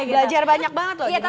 belajar banyak banget loh